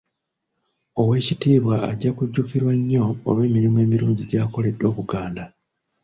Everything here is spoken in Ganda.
Owekittibwa ajja kujjukirwa nnyo olw'emirimu emirungi gy'akoledde Obuganda.